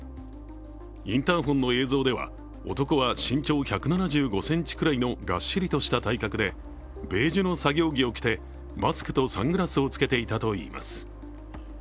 インターフォンの映像では、男は身長１７５ｃｍくらいのがっしりとした体格でベージュの作業着を着てマスクとサングラスを着けていたといいます。